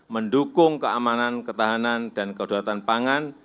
mendukung keamanan ketahanan dan kedaulatan pangan